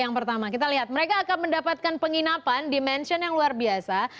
yang pertama kita lihat mereka akan mendapatkan penginapan di mention yang luar biasa